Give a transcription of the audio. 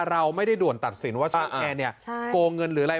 เราไม่ได้ด่วนตัดสินว่าช่างแอร์เนี่ยโกงเงินหรืออะไร